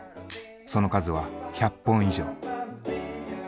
その数は１００本以上。